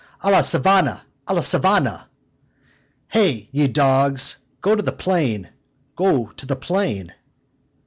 a la savana, a la savana." "Ha, ye dogs! go to the plain, go to the plain."